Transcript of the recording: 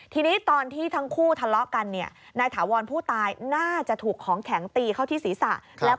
ทีนี้ตอนที่ทั้งคู่ทะเลาะกันเนี่ยนายถาวรผู้ตายน่าจะถูกของแข็งตีเข้าที่ศีรษะ